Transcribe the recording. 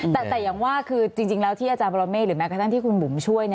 แต่อย่างว่าคือจริงแล้วที่อาจารย์บรเมฆหรือแม้กระทั่งที่คุณบุ๋มช่วย